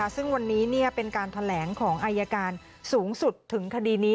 ซึ่งวันนี้เป็นการแถลงของอายการสูงสุดถึงคดีนี้